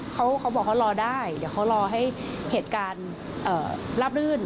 เขาบอกเขารอได้เดี๋ยวเขารอให้เหตุการณ์ราบรื่น